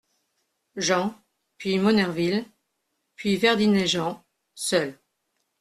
Jean ; puis Monnerville ; puis Verdinet Jean , seul.